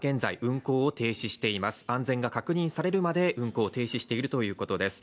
安全が確認されるまで運行を停止しているということです。